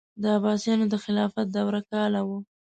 د عباسیانو د خلافت دوره کاله وه.